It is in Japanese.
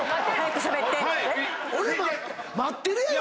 待ってるやろ！